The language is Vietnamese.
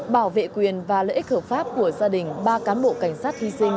bảo vệ quyền và lợi ích hợp pháp của gia đình ba cán bộ cảnh sát hy sinh